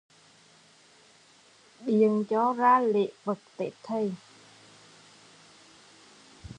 Biện cho ra lễ vật tết Thầy